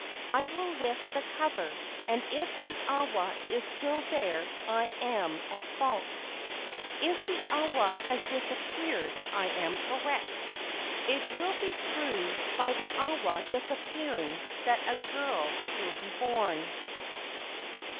I will lift the cover, and if the awa is still there I am at fault. If the awa has disappeared I am correct. It will be proved by the awa disappearing that a girl will be born.